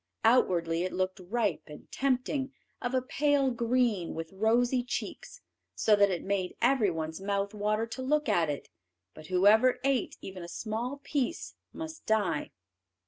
Outwardly it looked ripe and tempting, of a pale green with rosy cheeks, so that it made everyone's mouth water to look at it, but whoever ate even a small piece must die.